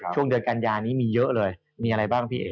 ช่วงเดือนกันยานี้มีเยอะเลยมีอะไรบ้างพี่เอ๋